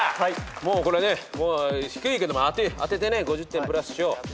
もうこれね低いけども当ててね５０点プラスしよう。